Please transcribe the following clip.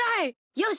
よし！